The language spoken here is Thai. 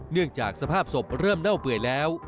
เนื่องจากสภาพศพเริ่มเน่าเปื่อยแล้ว